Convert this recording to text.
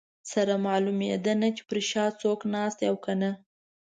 سره معلومېده نه چې پر شا څوک ناست دي او که نه.